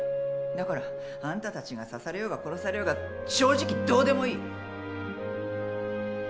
だからあんたたちが刺されようが殺されようが正直どうでもいい。